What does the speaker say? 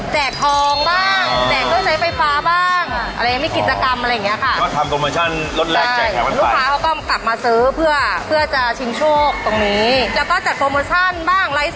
แจกทองบ้าง